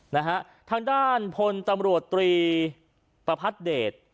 นะฮะทางด้านพลตำรวจตรีประพัทธเดช